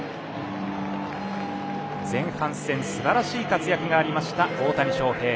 前半戦すばらしい活躍がありました大谷翔平。